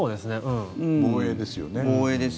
防衛ですよね。